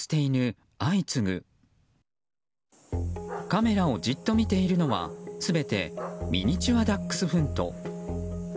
カメラをじっと見ているのは全てミニチュアダックスフント。